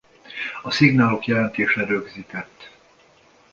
A szignálok jelentése rögzített.